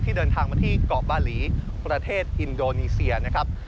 เดินทางมาที่เกาะบาหลีประเทศอินโดนีเซียนะครับ